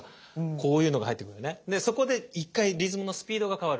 でそこで１回リズムのスピードが変わる。